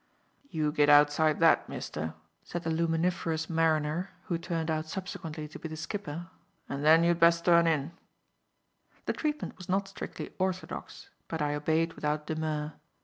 "You git outside that, mister," said the luminiferous mariner (who turned out subsequently to be the skipper), "and then you'd best turn in." The treatment was not strictly orthodox, but I obeyed without demur.